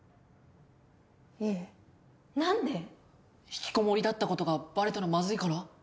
引きこもりだった事がバレたらまずいから？